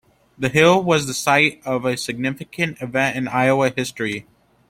The hill was the site of a significant event in Iowa history.